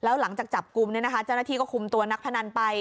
แล้วหลังจากจับกลุ่มเจ้าหน้าที่ก็คุมตัวนักพนันไป